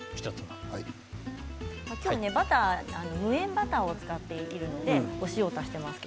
今日は無塩バターを使っているのでお塩を使っています。